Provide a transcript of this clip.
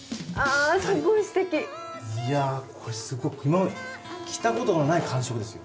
いやこれすごい今まで着たことのない感触ですよ。